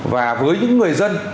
và với những người dân